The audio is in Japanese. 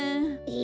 え。